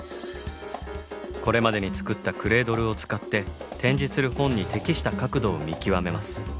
これまでに作ったクレードルを使って展示する本に適した角度を見極めます。